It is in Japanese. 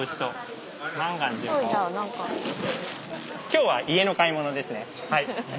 今日は家の買い物ですねはい。